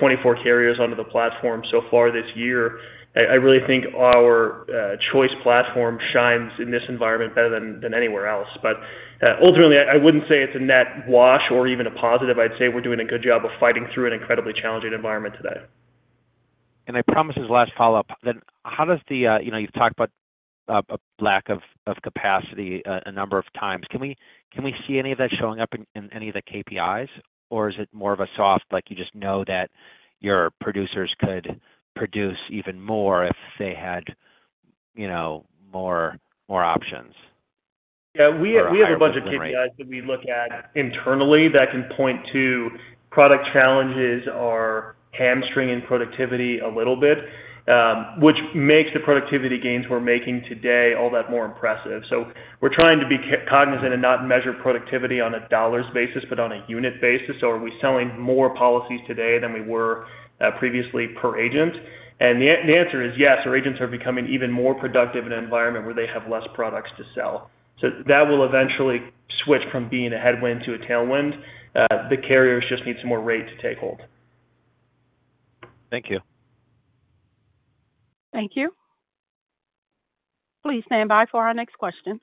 24 carriers onto the platform so far this year. I really think our choice platform shines in this environment better than anywhere else. Ultimately, I wouldn't say it's a net wash or even a positive. I'd say we're doing a good job of fighting through an incredibly challenging environment today. I promise this is the last follow-up. How does the, you know, you've talked about a lack of capacity a number of times. Can we see any of that showing up in any of the KPIs? Or is it more of a soft, like, you just know that your producers could produce even more if they had, you know, more options? Yeah, we have, we have a bunch of KPIs that we look at internally that can point to product challenges are hamstringing productivity a little bit, which makes the productivity gains we're making today all that more impressive. We're trying to be cognizant and not measure productivity on a dollars basis, but on a unit basis. Are we selling more policies today than we were previously per agent? The answer is yes. Our agents are becoming even more productive in an environment where they have less products to sell. That will eventually switch from being a headwind to a tailwind. The carriers just need some more rate to take hold. Thank you. Thank you. Please stand by for our next question.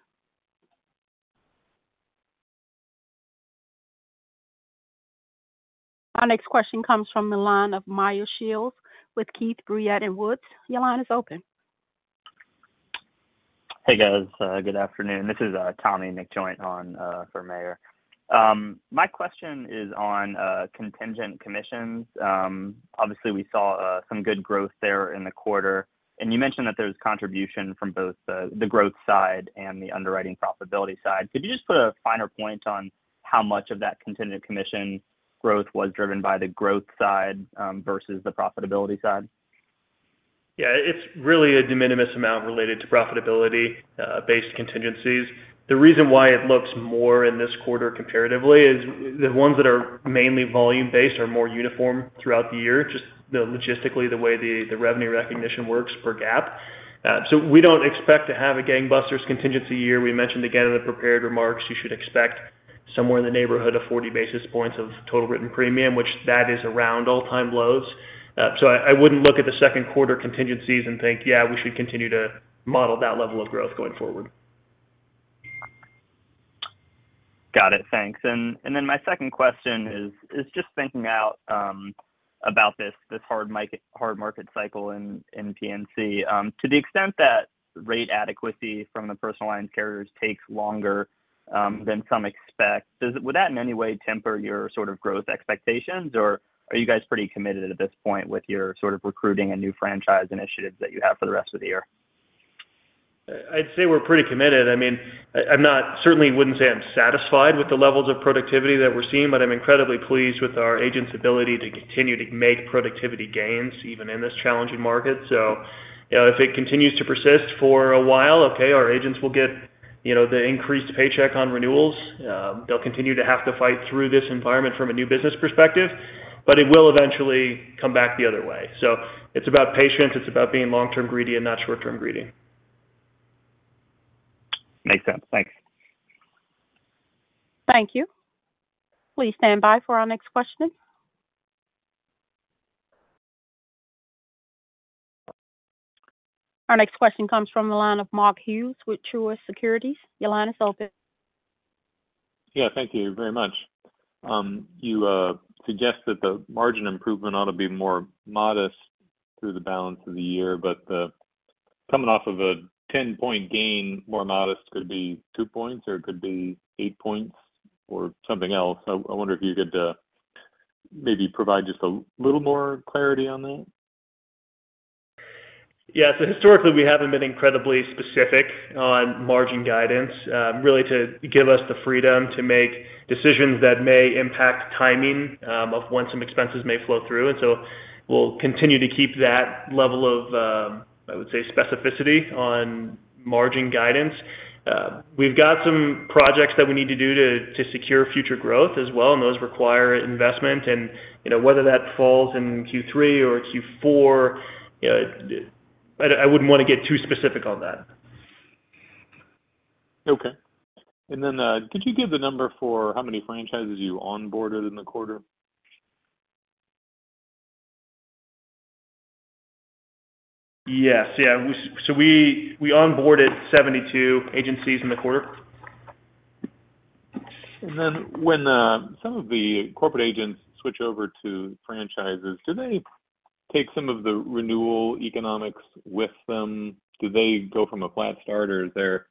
Our next question comes from the line of Meyer Shields with Keefe, Bruyette & Woods. Your line is open. Hey, guys, good afternoon. This is Tommy McJoynt on for Meyer. My question is on contingent commissions. Obviously, we saw some good growth there in the quarter, and you mentioned that there's contribution from both the growth side and the underwriting profitability side. Could you just put a finer point on how much of that contingent commission growth was driven by the growth side versus the profitability side? Yeah, it's really a de minimis amount related to profitability based contingencies. The reason why it looks more in this quarter comparatively is the ones that are mainly volume based are more uniform throughout the year, just the logistically, the way the revenue recognition works per GAAP. We don't expect to have a gangbusters contingency year. We mentioned again in the prepared remarks, you should expect somewhere in the neighborhood of 40 basis points of total written premium, which that is around all-time lows. I wouldn't look at the second quarter contingencies and think, yeah, we should continue to model that level of growth going forward. Got it. Thanks. My second question is just thinking out about this hard market cycle in P&C. To the extent that rate adequacy from the personal line carriers takes longer than some expect, would that in any way temper your sort of growth expectations, or are you guys pretty committed at this point with your sort of recruiting and new franchise initiatives that you have for the rest of the year? I'd say we're pretty committed. I mean, I certainly wouldn't say I'm satisfied with the levels of productivity that we're seeing, but I'm incredibly pleased with our agents' ability to continue to make productivity gains, even in this challenging market. You know, if it continues to persist for a while, okay, our agents will get, you know, the increased paycheck on renewals. They'll continue to have to fight through this environment from a new business perspective, but it will eventually come back the other way. It's about patience, it's about being long-term greedy and not short-term greedy. Makes sense. Thanks. Thank you. Please stand by for our next question. Our next question comes from the line of Mark Hughes with Truist Securities. Your line is open. Thank you very much. You suggest that the margin improvement ought to be more modest through the balance of the year, but coming off of a 10-point gain, more modest, could it be two points, or it could be eight points or something else? I wonder if you could maybe provide just a little more clarity on that. Historically, we haven't been incredibly specific on margin guidance, really to give us the freedom to make decisions that may impact timing, of when some expenses may flow through. We'll continue to keep that level of, I would say, specificity on margin guidance. We've got some projects that we need to do to secure future growth as well, and those require investment. You know, whether that falls in Q3 or Q4, I wouldn't want to get too specific on that. Okay. Then, could you give the number for how many franchises you onboarded in the quarter? Yes. Yeah, we onboarded 72 agencies in the quarter. When some of the corporate agents switch over to franchises, do they take some of the renewal economics with them? Do they go from a flat start, or is there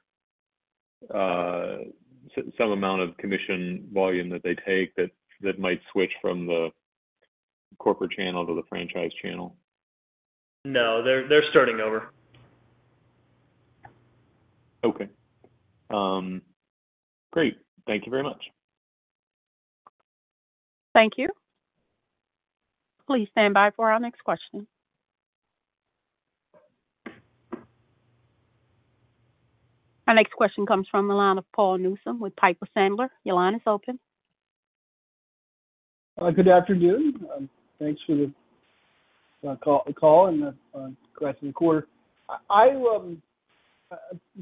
some amount of commission volume that they take that might switch from the corporate channel to the franchise channel? No, they're starting over. Okay. great. Thank you very much. Thank you. Please stand by for our next question. Our next question comes from the line of Paul Newsome with Piper Sandler. Your line is open. Good afternoon, thanks for the call and the congrats on the quarter. I,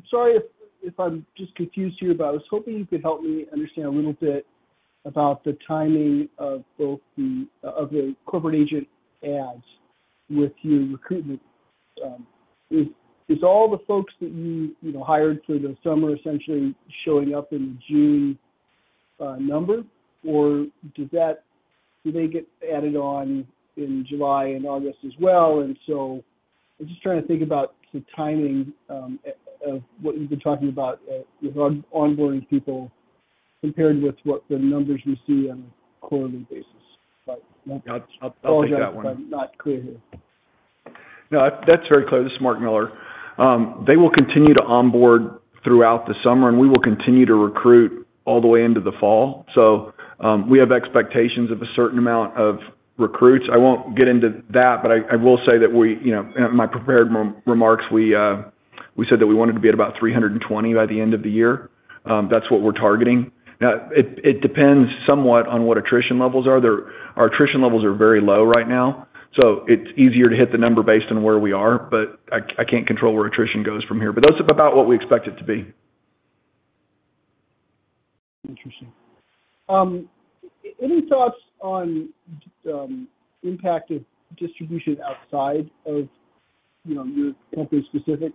sorry if I'm just confused here, but I was hoping you could help me understand a little bit about the timing of both the corporate agent adds with your recruitment. Is all the folks that you know, hired through the summer essentially showing up in the June number? Do they get added on in July and August as well? I'm just trying to think about the timing of what you've been talking about with onboarding people, compared with what the numbers we see on a quarterly basis. I'll take that one. If I'm not clear here. That's very clear. This is Mark Miller. They will continue to onboard throughout the summer, and we will continue to recruit all the way into the fall. We have expectations of a certain amount of recruits. I won't get into that, but I will say that we, you know, in my prepared remarks, we said that we wanted to be at about 320 by the end of the year. That's what we're targeting. It, it depends somewhat on what attrition levels are. Our attrition levels are very low right now, so it's easier to hit the number based on where we are, but I can't control where attrition goes from here. That's about what we expect it to be. Interesting. Any thoughts on impact of distribution outside of your company specific?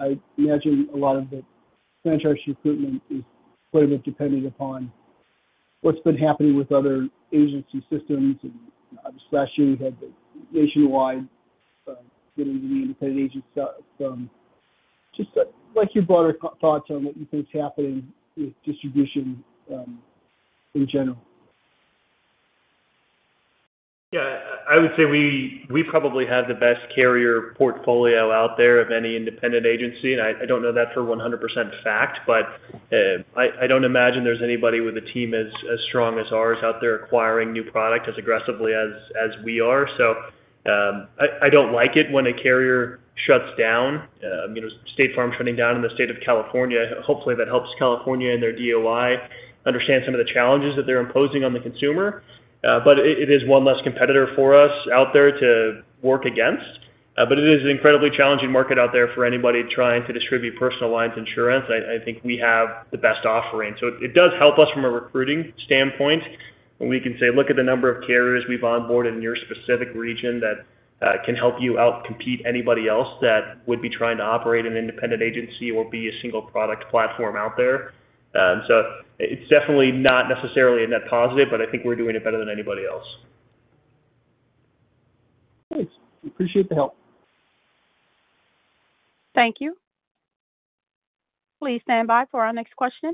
I imagine a lot of the franchise recruitment is sort of dependent upon what's been happening with other agency systems. Obviously, last year, we had the Nationwide getting the independent agents. Your broader thoughts on what you think is happening with distribution in general. Yeah, I would say we probably have the best carrier portfolio out there of any independent agency. I don't know that for 100% fact, but I don't imagine there's anybody with a team as strong as ours out there acquiring new product as aggressively as we are. I don't like it when a carrier shuts down. You know, State Farm shutting down in the state of California, hopefully, that helps California and their DOI understand some of the challenges that they're imposing on the consumer. It is one less competitor for us out there to work against. It is an incredibly challenging market out there for anybody trying to distribute personal lines insurance. I think we have the best offering. It does help us from a recruiting standpoint, when we can say, "Look at the number of carriers we've onboarded in your specific region that can help you out-compete anybody else that would be trying to operate an independent agency or be a single product platform out there." It's definitely not necessarily a net positive, but I think we're doing it better than anybody else. Thanks. Appreciate the help. Thank you. Please stand by for our next question.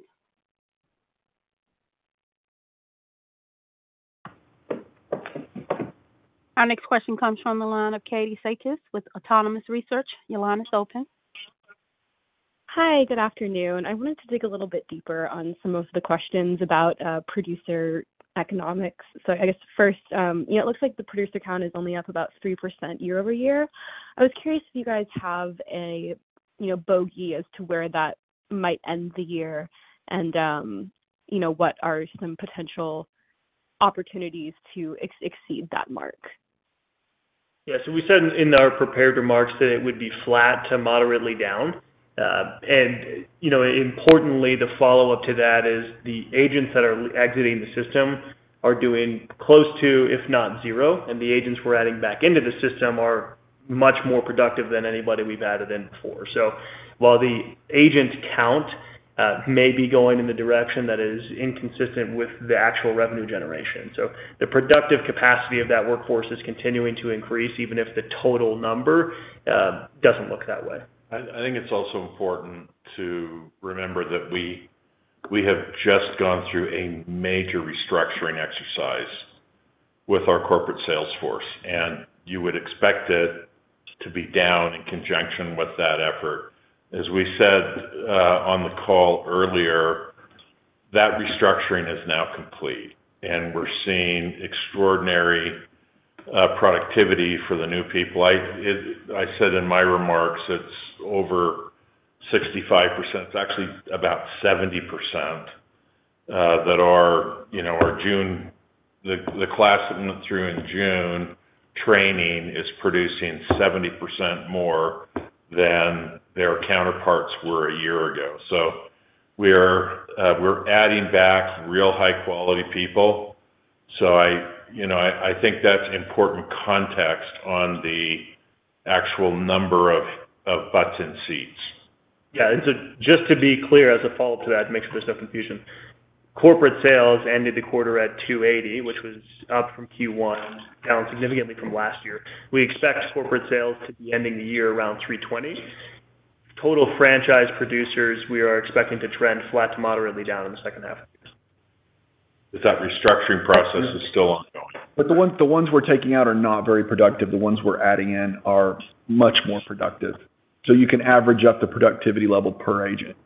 Our next question comes from the line of Katie Sakys with Autonomous Research. Your line is open. Hi, good afternoon. I wanted to dig a little bit deeper on some of the questions about producer economics. I guess first, you know, it looks like the producer count is only up about 3% year-over-year. I was curious if you guys have a, you know, bogey as to where that might end the year, and, you know, what are some potential opportunities to exceed that mark? Yeah, we said in our prepared remarks that it would be flat to moderately down. You know, importantly, the follow-up to that is the agents that are exiting the system are doing close to, if not zero, and the agents we're adding back into the system are much more productive than anybody we've added in before. While the agent count may be going in the direction that is inconsistent with the actual revenue generation. The productive capacity of that workforce is continuing to increase, even if the total number doesn't look that way. I think it's also important to remember that we have just gone through a major restructuring exercise with our corporate sales force. You would expect it to be down in conjunction with that effort. As we said, on the call earlier, that restructuring is now complete, and we're seeing extraordinary productivity for the new people. I said in my remarks, it's over 65%. It's actually about 70%. The class that went through in June, training is producing 70% more than their counterparts were a year ago. We are, we're adding back real high-quality people. I, you know, I think that's important context on the actual number of butts in seats. Yeah, just to be clear, as a follow-up to that, to make sure there's no confusion, corporate sales ended the quarter at $280, which was up from Q1, down significantly from last year. We expect corporate sales to be ending the year around $320. Total franchise producers, we are expecting to trend flat to moderately down in the second half of the year. That restructuring process is still ongoing. The ones we're taking out are not very productive. The ones we're adding in are much more productive. You can average up the productivity level per agent.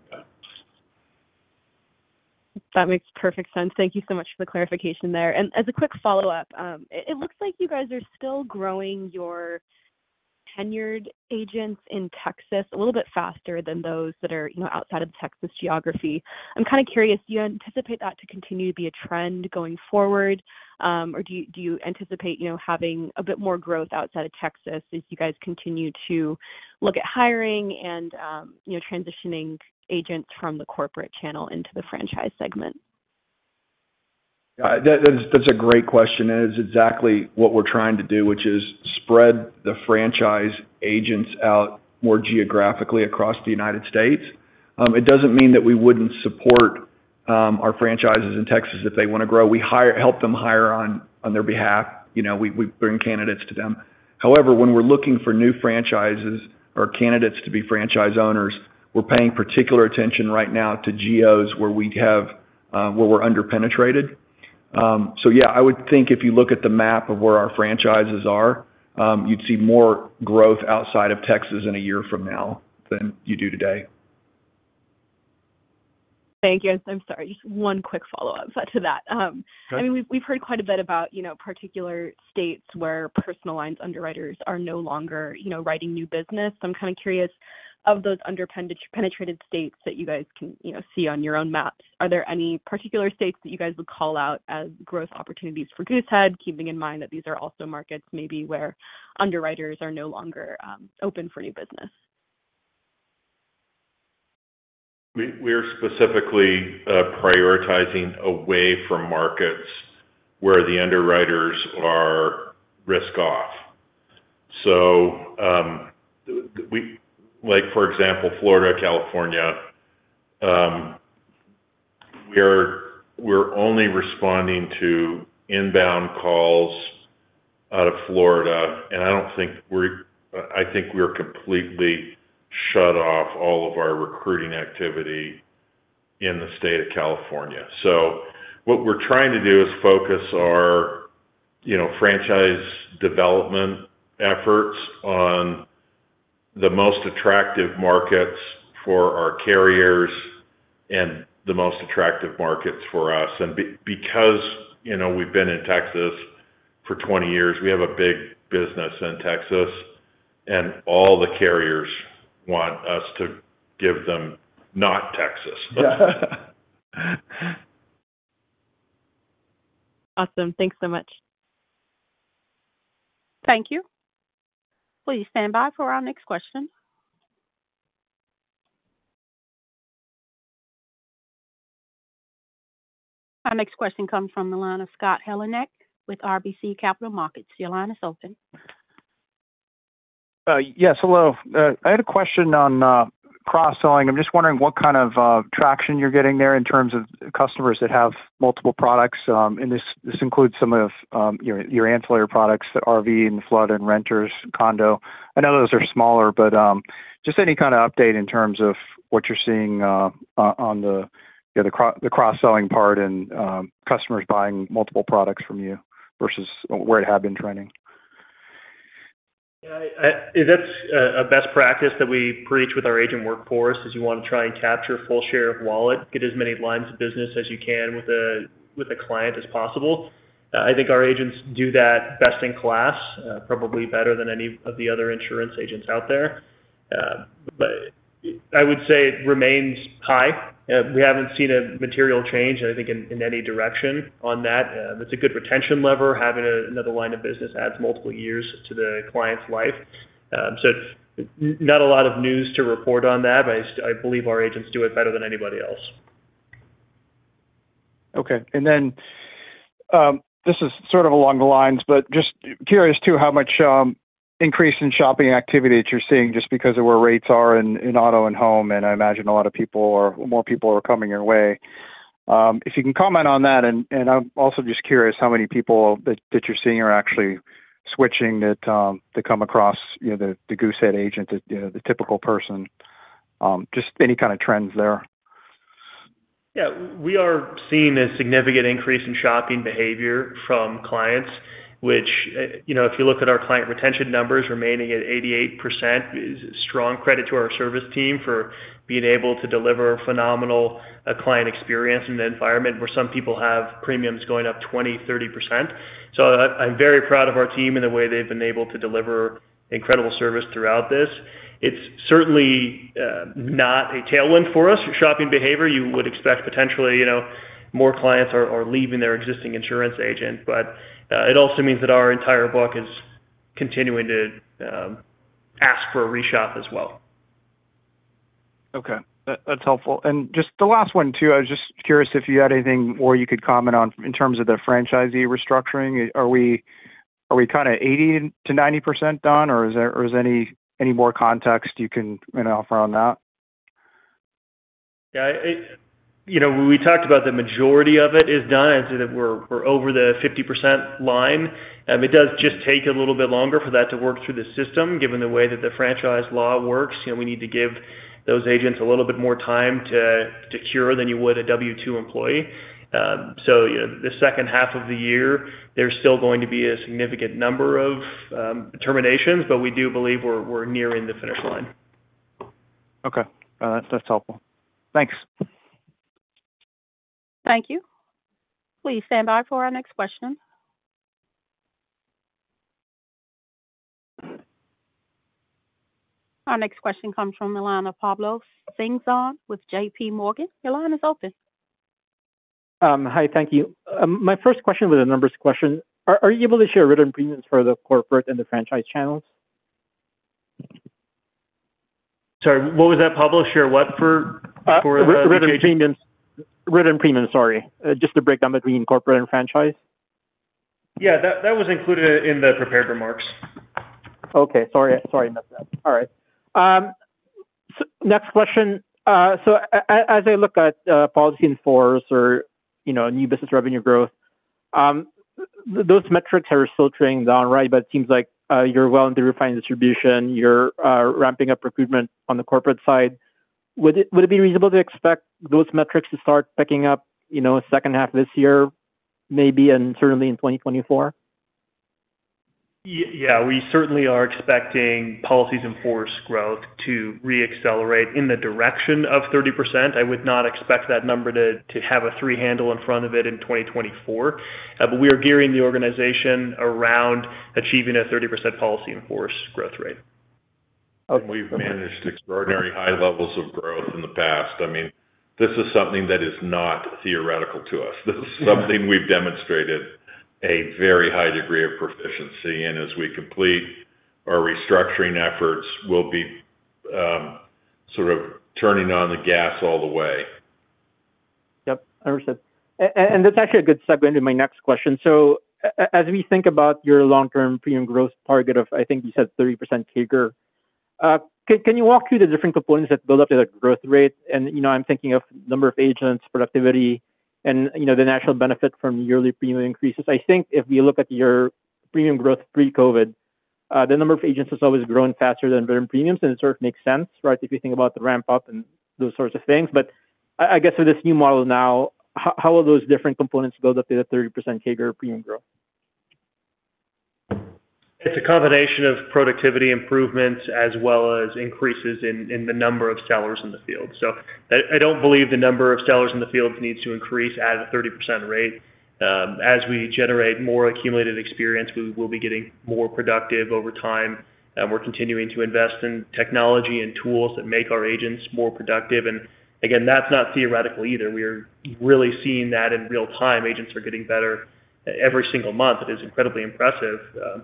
That makes perfect sense. Thank you so much for the clarification there. As a quick follow-up, it looks like you guys are still growing your tenured agents in Texas a little bit faster than those that are, you know, outside of the Texas geography. I'm kind of curious, do you anticipate that to continue to be a trend going forward, or do you anticipate, you know, having a bit more growth outside of Texas as you guys continue to look at hiring and, you know, transitioning agents from the corporate channel into the franchise segment? That's a great question. It's exactly what we're trying to do, which is spread the franchise agents out more geographically across the United States. It doesn't mean that we wouldn't support our franchises in Texas if they want to grow. We help them hire on their behalf. You know, we bring candidates to them. However, when we're looking for new franchises or candidates to be franchise owners, we're paying particular attention right now to Geos, where we have where we're underpenetrated. Yeah, I would think if you look at the map of where our franchises are, you'd see more growth outside of Texas in 1 year from now than you do today. Thank you. I'm sorry, just one quick follow-up to that. Go ahead. I mean, we've heard quite a bit about, you know, particular states where personal lines underwriters are no longer, you know, writing new business. I'm kind of curious, of those penetrated states that you guys can, you know, see on your own maps, are there any particular states that you guys would call out as growth opportunities for Goosehead, keeping in mind that these are also markets maybe where underwriters are no longer open for new business? We're specifically prioritizing away from markets where the underwriters are risk off. Like, for example, Florida, California, we're only responding to inbound calls out of Florida, and I think we're completely shut off all of our recruiting activity in the state of California. What we're trying to do is focus our, you know, franchise development efforts on the most attractive markets for our carriers and the most attractive markets for us. Because, you know, we've been in Texas for 20 years, we have a big business in Texas, and all the carriers want us to give them not Texas. Awesome. Thanks so much. Thank you. Please stand by for our next question. Our next question comes from the line of Scott Heleniak with RBC Capital Markets. Your line is open. Yes, hello. I had a question on cross-selling. I'm just wondering what kind of traction you're getting there in terms of customers that have multiple products, and this includes some of your ancillary products, the RV and flood and renters, condo. I know those are smaller, but just any kind of update in terms of what you're seeing on the, you know, the cross-selling part and customers buying multiple products from you versus where it had been trending. That's a best practice that we preach with our agent workforce, is you want to try and capture full share of wallet, get as many lines of business as you can with a client as possible. I think our agents do that best in class, probably better than any of the other insurance agents out there. I would say it remains high. We haven't seen a material change, I think, in any direction on that. It's a good retention lever. Having another line of business adds multiple years to the client's life. It's not a lot of news to report on that, but I believe our agents do it better than anybody else. Okay. This is sort of along the lines, but just curious, too, how much increase in shopping activity that you're seeing just because of where rates are in auto and home, and I imagine a lot of people or more people are coming your way. If you can comment on that, and I'm also just curious how many people that you're seeing are actually switching that come across, you know, the Goosehead agent, the, you know, the typical person, just any kind of trends there? We are seeing a significant increase in shopping behavior from clients, which, you know, if you look at our client retention numbers remaining at 88% is a strong credit to our service team for being able to deliver phenomenal client experience in an environment where some people have premiums going up 20%, 30%. I'm very proud of our team and the way they've been able to deliver incredible service throughout this. It's certainly not a tailwind for us. Shopping behavior, you would expect potentially, you know, more clients are leaving their existing insurance agent, it also means that our entire book is continuing to ask for a re-shop as well. Okay, that's helpful. Just the last one, too, I was just curious if you had anything more you could comment on in terms of the franchisee restructuring. Are we kind of 80% to 90% done, or is there any more context you can, you know, offer on that? Yeah, you know, we talked about the majority of it is done, that we're over the 50% line. It does just take a little bit longer for that to work through the system, given the way that the franchise law works. You know, we need to give those agents a little bit more time to cure than you would a W-2 employee. Yeah, the second half of the year, there's still going to be a significant number of terminations, but we do believe we're nearing the finish line. Okay. That's helpful. Thanks. Thank you. Please stand by for our next question. Our next question comes from Pablo Singzon with JPMorgan. Your line is open. Hi, thank you. My first question was a numbers question. Are you able to share written premiums for the corporate and the franchise channels? Sorry, what was that, Pablo? Share what for the- Written premiums, sorry. just to break down between corporate and franchise. Yeah, that was included in the prepared remarks. Okay, sorry, I missed that. All right. Next question, as I look at policy in force or, you know, new business revenue growth, those metrics are still trending down, right? It seems like you're well into refined distribution. You're ramping up recruitment on the corporate side. Would it be reasonable to expect those metrics to start picking up, you know, second half of this year, maybe, and certainly in 2024? Yeah, we certainly are expecting policies in force growth to reaccelerate in the direction of 30%. I would not expect that number to have a three handle in front of it in 2024. We are gearing the organization around achieving a 30% policy in force growth rate. Okay. We've managed extraordinary high levels of growth in the past. I mean, this is something that is not theoretical to us. This is something we've demonstrated a very high degree of proficiency in. As we complete our restructuring efforts, we'll be, sort of turning on the gas all the way. That's actually a good segue into my next question. As we think about your long-term premium growth target of, I think you said 30% CAGR, can you walk through the different components that build up to the growth rate? You know, I'm thinking of number of agents, productivity, and, you know, the natural benefit from yearly premium increases. I think if you look at your premium growth pre-COVID, the number of agents has always grown faster than written premiums, and it sort of makes sense, right? If you think about the ramp up and those sorts of things. I guess with this new model now, how will those different components build up to the 30% CAGR premium growth? It's a combination of productivity improvements as well as increases in the number of sellers in the field. I don't believe the number of sellers in the field needs to increase at a 30% rate. As we generate more accumulated experience, we will be getting more productive over time, and we're continuing to invest in technology and tools that make our agents more productive. Again, that's not theoretical either. We are really seeing that in real time. Agents are getting better every single month. It is incredibly impressive. You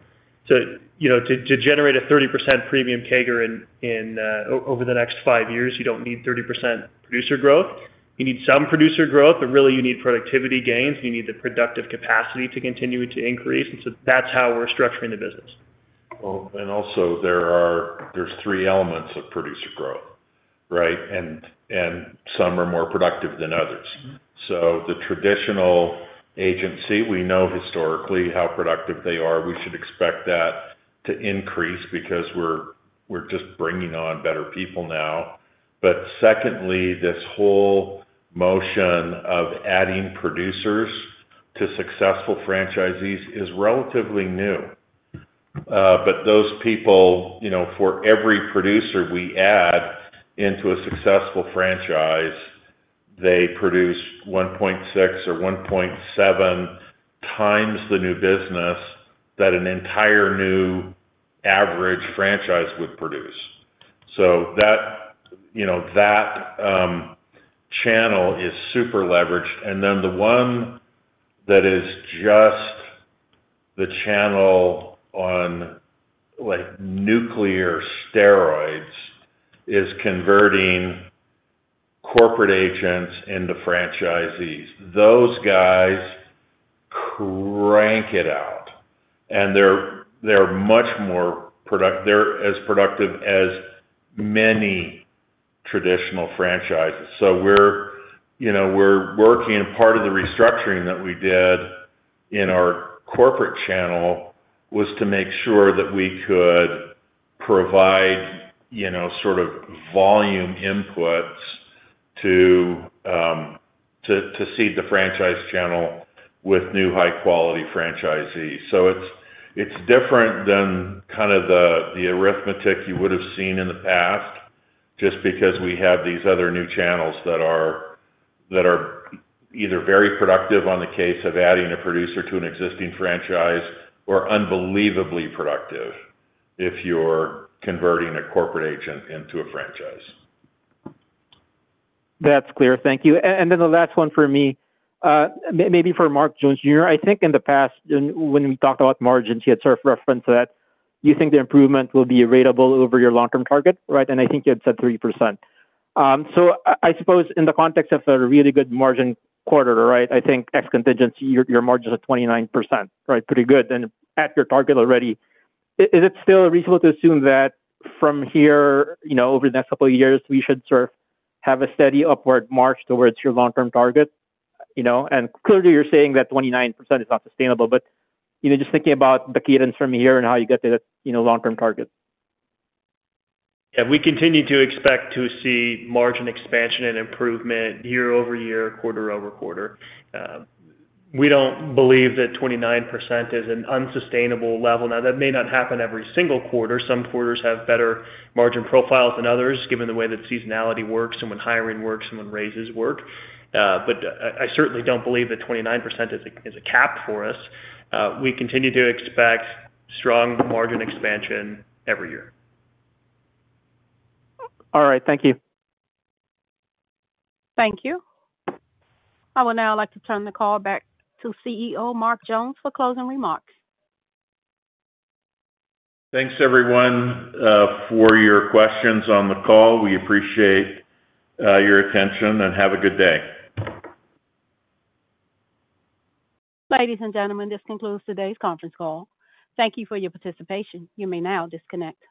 know, to generate a 30% premium CAGR in over the next five years, you don't need 30% producer growth. You need some producer growth, but really you need productivity gains. You need the productive capacity to continue to increase, that's how we're structuring the business. Well, also there's three elements of producer growth, right? Some are more productive than others. Mm-hmm. The traditional agency, we know historically how productive they are. We should expect that to increase because we're just bringing on better people now. Secondly, this whole motion of adding producers to successful franchisees is relatively new. Those people, you know, for every producer we add into a successful franchise, they produce 1.6x or 1.7 times the new business that an entire new average franchise would produce. That, you know, that channel is super leveraged. Then the one that is just the channel on, like, nuclear steroids is converting corporate agents into franchisees. Those guys crank it out, and they're as productive as many traditional franchises. We're, you know, we're working, and part of the restructuring that we did in our corporate channel was to make sure that we could provide, you know, sort of volume inputs to seed the franchise channel with new, high-quality franchisees. It's, it's different than kind of the arithmetic you would have seen in the past, just because we have these other new channels that are either very productive on the case of adding a producer to an existing franchise, or unbelievably productive if you're converting a corporate agent into a franchise. That's clear. Thank you. Then the last one for me, maybe for Mark Jones, Jr. I think in the past, when we talked about margins, you had sort of referenced that you think the improvement will be relatable over your long-term target, right? I think you had said 30%. I suppose in the context of a really good margin quarter, right, I think ex contingency, your margins are 29%, right? Pretty good, and at your target already. Is it still reasonable to assume that from here, you know, over the next couple of years, we should sort of have a steady upward march towards your long-term target, you know? Clearly, you're saying that 29% is not sustainable, but, you know, just thinking about the cadence from here and how you get to the, you know, long-term target. We continue to expect to see margin expansion and improvement year-over-year, quarter-over-quarter. We don't believe that 29% is an unsustainable level. That may not happen every single quarter. Some quarters have better margin profiles than others, given the way that seasonality works and when hiring works and when raises work. I certainly don't believe that 29% is a, is a cap for us. We continue to expect strong margin expansion every year. All right. Thank you. Thank you. I would now like to turn the call back to CEO, Mark Jones, for closing remarks. Thanks, everyone, for your questions on the call. We appreciate, your attention, and have a good day. Ladies and gentlemen, this concludes today's conference call. Thank you for your participation. You may now disconnect.